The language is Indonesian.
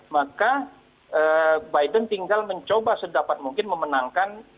maka biden tinggal mencoba sedapat mungkin memenangkan